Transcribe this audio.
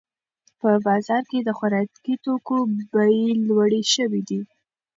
په بازار کې د خوراکي توکو بیې لوړې شوې دي.